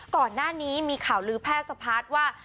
ก่อนหน้านี้มีข่าวลือแพร่สะพาร์ทว่า